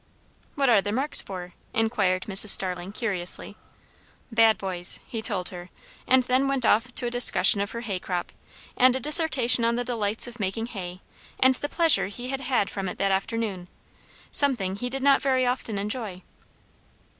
"What are the marks for?" inquired Mrs. Starling curiously. "Bad boys," he told her; and then went off to a discussion of her hay crop, and a dissertation on the delights of making hay and the pleasure he had had from it that afternoon; "something he did not very often enjoy."